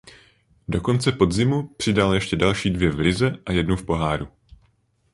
Do konce podzimu přidal ještě dvě další v lize a jednu v poháru.